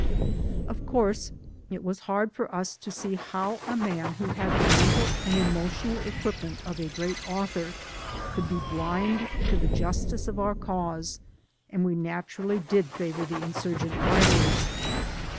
Of course, it w£fi» hard for us to see how a man who had the mental and epaotional equipment of a great author could be blind to the justice of our cause, and we naturally did favor the insurgent writers.